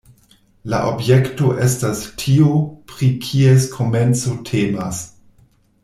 La objekto estas tio, pri kies komenco temas.